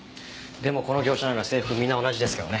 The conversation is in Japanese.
でもこの業者なら制服みんな同じですけどね。